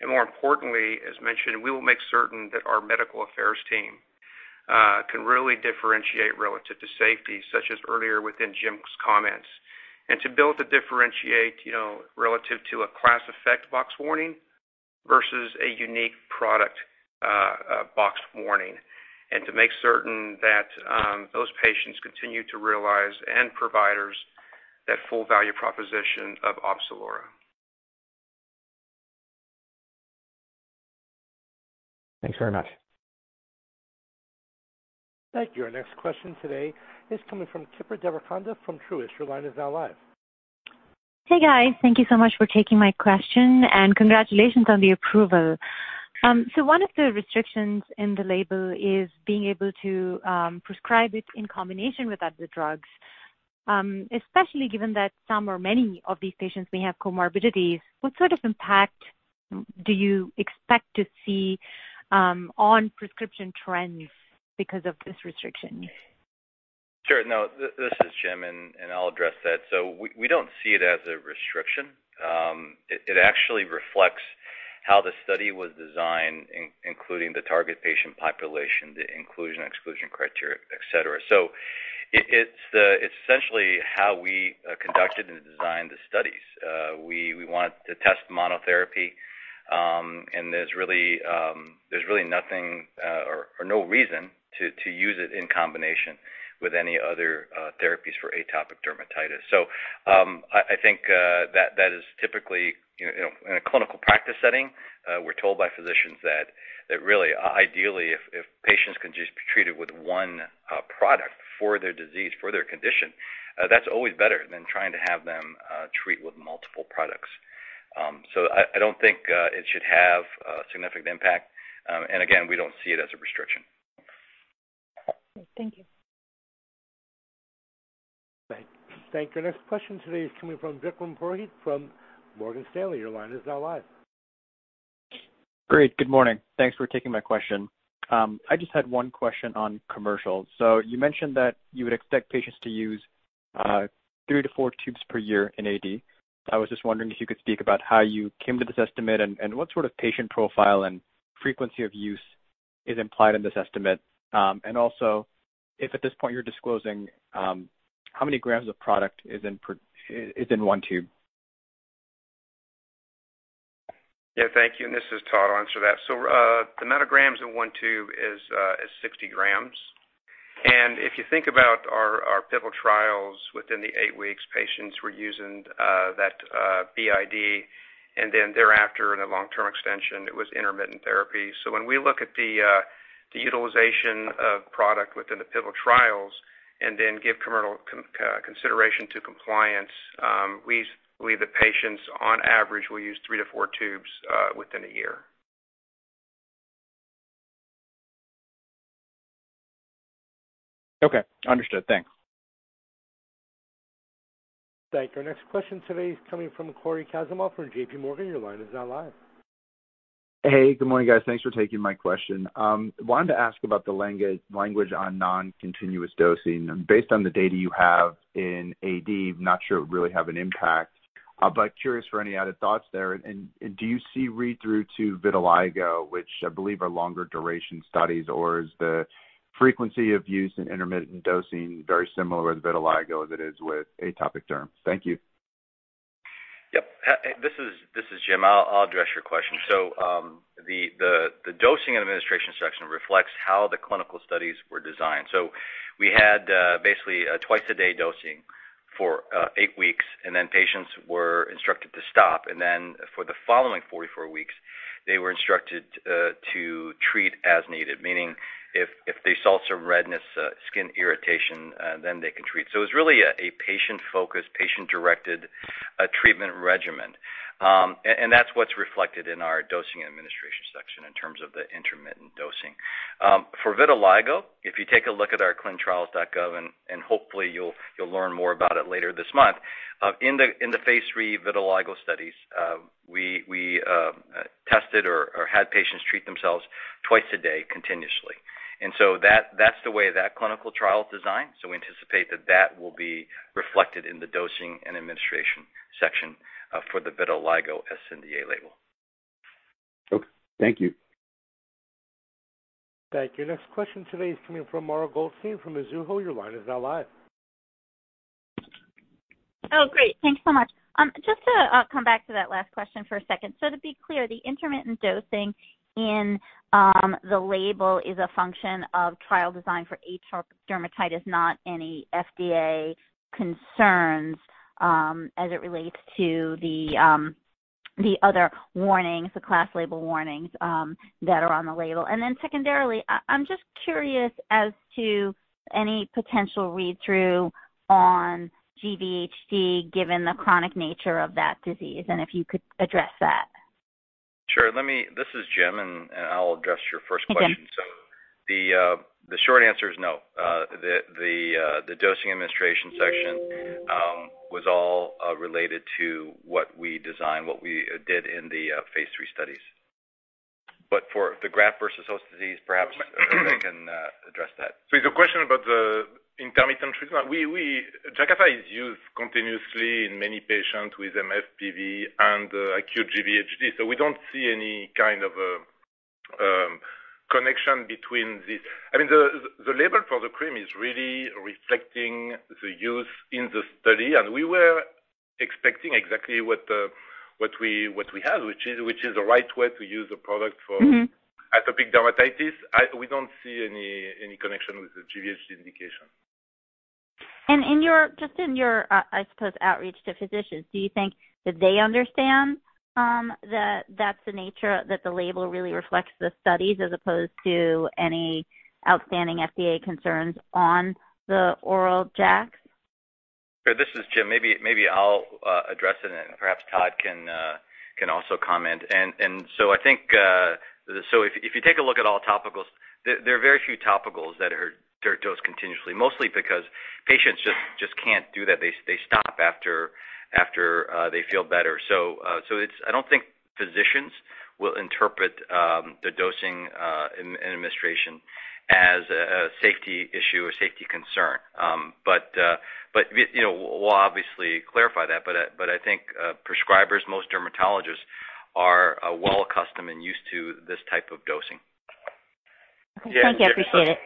and more importantly, as mentioned, we will make certain that our medical affairs team can really differentiate relative to safety, such as earlier within Jim's comments. To be able to differentiate relative to a class effect box warning versus a unique product box warning, and to make certain that those patients continue to realize, and providers, that full value proposition of Opzelura. Thanks very much. Thank you. Our next question today is coming from Kripa Devarakonda Savant from Truist. Your line is now live. Hey, guys. Thank you so much for taking my question, and congratulations on the approval. One of the restrictions in the label is being able to prescribe it in combination with other drugs, especially given that some or many of these patients may have comorbidities. What sort of impact do you expect to see on prescription trends because of this restriction? Sure. No, this is Jim Lee, and I'll address that. We don't see it as a restriction It actually reflects how the study was designed, including the target patient population, the inclusion/exclusion criteria, et cetera. It's essentially how we conducted and designed the studies. We want to test monotherapy, and there's really nothing or no reason to use it in combination with any other therapies for atopic dermatitis. I think that is typically in a clinical practice setting, we're told by physicians that really ideally if patients can just be treated with one product for their disease, for their condition, that's always better than trying to have them treat with multiple products. I don't think it should have a significant impact. Again, we don't see it as a restriction. Thank you. Thank you. Our next question today is coming from Vikram Purohit from Morgan Stanley. Great. Good morning. Thanks for taking my question. I just had one question on commercials. You mentioned that you would expect patients to use three-four tubes per year in AD. I was just wondering if you could speak about how you came to this estimate and what sort of patient profile and frequency of use is implied in this estimate. Also, if at this point you're disclosing how many grams of product is in one tube. Yeah, thank you. This is Todd. I'll answer that. The amount of grams in one tube is 60 grams. If you think about our pivotal trials within the eight weeks, patients were using that BID and thereafter in a long-term extension it was intermittent therapy. When we look at the utilization of product within the pivotal trials and then give commercial consideration to compliance, we believe that patients on average will use three-four tubes within a year. Okay, understood. Thanks. Thank you. Our next question today is coming from Cory Kasimov from JPMorgan. Your line is now live. Hey, good morning, guys. Thanks for taking my question. Wanted to ask about the language on non-continuous dosing and based on the data you have in AD, not sure it would really have an impact, but curious for any added thoughts there. Do you see read-through to vitiligo, which I believe are longer duration studies? Or is the frequency of use in intermittent dosing very similar with vitiligo as it is with atopic dermatitis? Thank you. Yep. This is Jim. I'll address your question. The dosing and administration section reflects how the clinical studies were designed. We had basically twice-a-day dosing for eight weeks, and then patients were instructed to stop, and then for the following 44 weeks, they were instructed to treat as needed, meaning if they saw some redness, skin irritation, then they can treat. It's really a patient-focused, patient-directed treatment regimen. That's what's reflected in our dosing administration section in terms of the intermittent dosing. For vitiligo, if you take a look at our clinicaltrials.gov, and hopefully you'll learn more about it later this month. In the phase III vitiligo studies, we tested or had patients treat themselves twice a day continuously. That's the way that clinical trial is designed. We anticipate that that will be reflected in the dosing and administration section for the vitiligo sNDA label. Okay. Thank you. Thank you. Next question today is coming from Mara Goldstein from Mizuho. Your line is now live. Oh, great. Thank you so much. Just to come back to that last question for a second. To be clear, the intermittent dosing in the label is a function of trial design for atopic dermatitis, not any FDA concerns, as it relates to the other warnings, the class label warnings that are on the label. Secondarily, I'm just curious as to any potential read-through on GVHD, given the chronic nature of that disease, and if you could address that. Sure. This is Jim, and I'll address your first question. Okay. The short answer is no. The dosing administration section was all related to what we designed, what we did in the phase III studies. For the graft versus host disease, perhaps Hervé can address that. Your question about the intermittent treatment. Jakafi is used continuously in many patients with MF, PV and acute GVHD. We don't see any kind of a connection between the label for the cream is really reflecting the use in the study, and we were expecting exactly what we have, which is the right way to use a product for atopic dermatitis. We don't see any connection with the GVHD indication. Just in your, I suppose, outreach to physicians, do you think that they understand that the label really reflects the studies as opposed to any outstanding FDA concerns on the oral JAK? Sure. This is Jim. Maybe I'll address it and perhaps Todd can also comment. I think if you take a look at all topicals, there are very few topicals that are dosed continuously, mostly because patients just can't do that. They stop after they feel better. I don't interpret the dosing and administration as a safety issue or safety concern. We'll obviously clarify that, but I think prescribers, most dermatologists, are well accustomed and used to this type of dosing. Okay. Thank you. I appreciate it.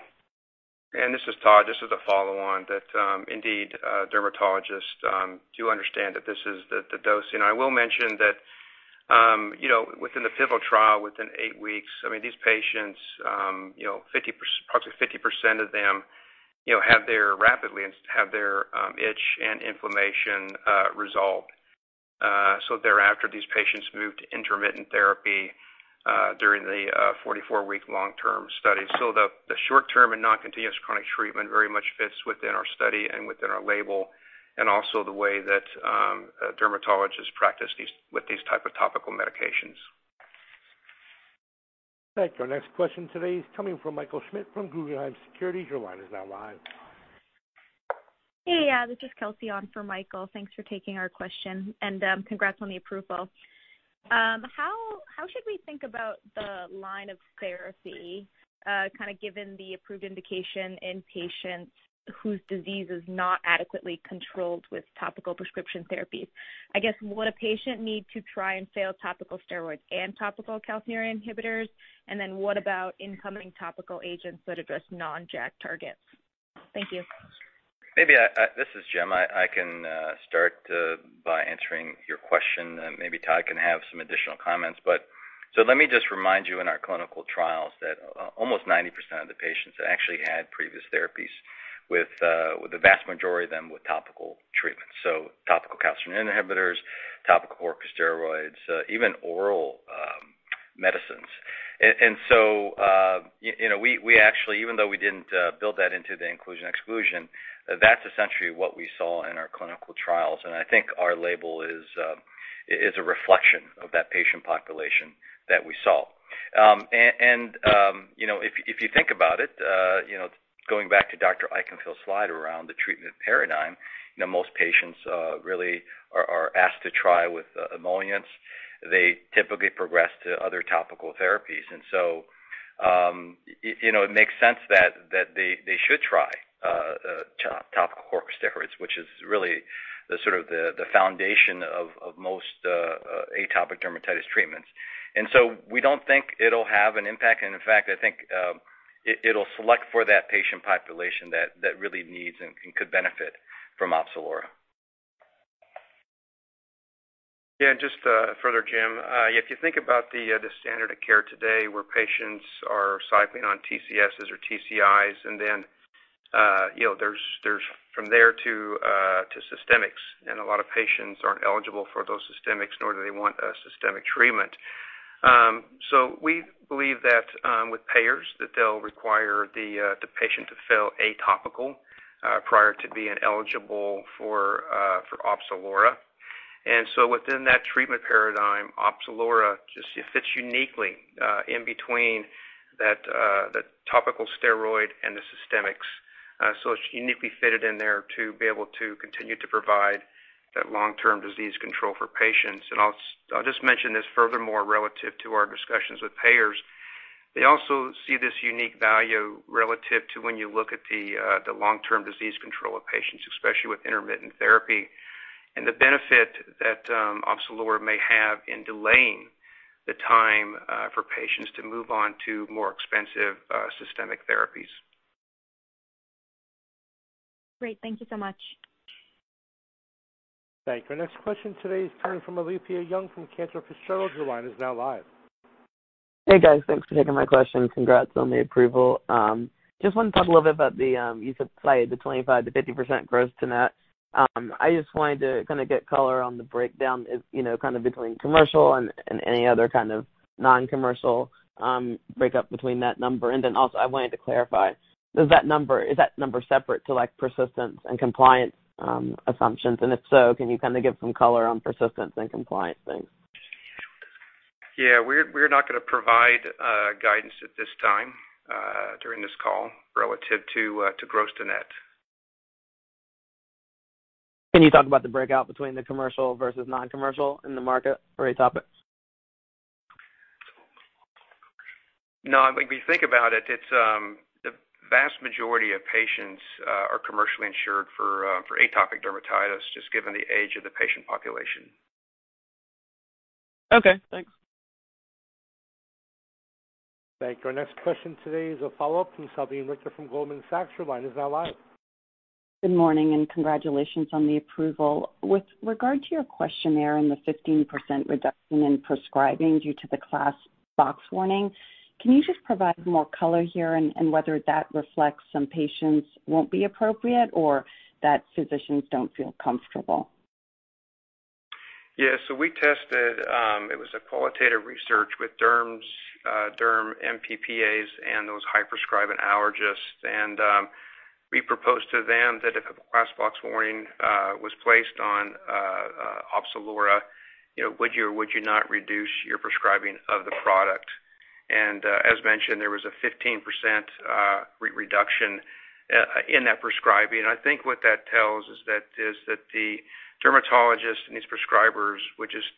This is Todd. Just as a follow-on that indeed, dermatologists do understand that this is the dosing. I will mention that within the pivotal trial, within 8 weeks, these patients, approximately 50% of them rapidly have their itch and inflammation resolved. Thereafter, these patients moved to intermittent therapy during the 44-week long-term study. The short-term and non-continuous chronic treatment very much fits within our study and within our label, and also the way that dermatologists practice with these type of topical medications. Thank you. Our next question today is coming from Michael Schmidt from Guggenheim Securities. Your line is now live. Hey, this is Kelsey on for Michael. Thanks for taking our question, and congrats on the approval. How should we think about the line of therapy, kind of given the approved indication in patients whose disease is not adequately controlled with topical prescription therapies? I guess, would a patient need to try and fail topical steroids and topical calcineurin inhibitors? What about incoming topical agents that address non-JAK targets? Thank you. This is Jim Lee. I can start by answering your question. Maybe Todd Edwards can have some additional comments. Let me just remind you, in our clinical trials that almost 90% of the patients actually had previous therapies, with the vast majority of them with topical treatments. Topical calcineurin inhibitors, topical corticosteroids, even oral medicines. We actually, even though we didn't build that into the inclusion/exclusion, that's essentially what we saw in our clinical trials. I think our label is a reflection of that patient population that we saw. If you think about it, going back to Dr. Eichenfield's slide around the treatment paradigm, most patients really are asked to try with emollients. They typically progress to other topical therapies. It makes sense that they should try topical corticosteroids, which is really the sort of the foundation of most atopic dermatitis treatments. We don't think it'll have an impact, and in fact, I think it'll select for that patient population that really needs and could benefit from Opzelura. Yeah, just further, Jim. If you think about the standard of care today, where patients are cycling on TCSs or TCIs, and then there's from there to systemics. A lot of patients aren't eligible for those systemics, nor do they want a systemic treatment. We believe that with payers, that they'll require the patient to fail a topical prior to being eligible for Opzelura. Within that treatment paradigm, Opzelura just fits uniquely in between that topical steroid and the systemics. It's uniquely fitted in there to be able to continue to provide that long-term disease control for patients. I'll just mention this furthermore, relative to our discussions with payers. They also see this unique value relative to when you look at the long-term disease control of patients, especially with intermittent therapy, and the benefit that Opzelura may have in delaying the time for patients to move on to more expensive systemic therapies. Great. Thank you so much. Thank you. Our next question today is coming from Alethia Young from Cantor Fitzgerald. Your line is now live. Hey, guys. Thanks for taking my question. Congrats on the approval. I just want to talk a little bit about the, you said slide, the 25%-50% gross-to-net. I just wanted to kind of get color on the breakdown between commercial and any other kind of non-commercial breakdown between that number. Also, I wanted to clarify, is that number separate to persistence and compliance assumptions? If so, can you kind of give some color on persistence and compliance assumptions? Yeah. We're not going to provide guidance at this time during this call relative to gross to net. Can you talk about the breakout between the commercial versus non-commercial in the market for atopic? No. If you think about it, the vast majority of patients are commercially insured for atopic dermatitis, just given the age of the patient population. Okay, thanks. Thank you. Our next question today is a follow-up from Salveen Richter from Goldman Sachs. Your line is now live. Good morning, and congratulations on the approval. With regard to your questionnaire and the 15% reduction in prescribing due to the class box warning, can you just provide more color here in whether that reflects some patients won't be appropriate or that physicians don't feel comfortable? We tested, it was a qualitative research with derms, derm NP/PAs, and those high-prescribing allergists. We proposed to them that if a class box warning was placed on Opzelura, would you or would you not reduce your prescribing of the product? As mentioned, there was a 15% reduction in that prescribing. I think what that tells is that the dermatologists and these prescribers would just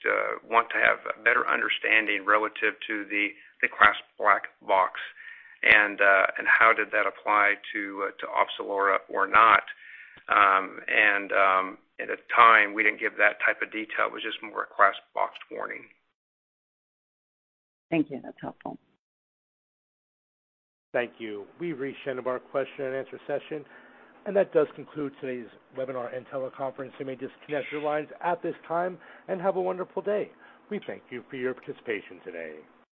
want to have a better understanding relative to the class black box and how did that apply to Opzelura or not. At the time, we didn't give that type of detail. It was just more a class box warning. Thank you. That's helpful. Thank you. We've reached the end of our question and answer session, and that does conclude today's webinar and teleconference. You may disconnect your lines at this time and have a wonderful day. We thank you for your participation today.